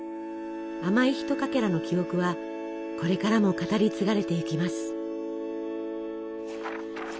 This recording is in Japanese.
甘いひとかけらの記憶はこれからも語り継がれていきます。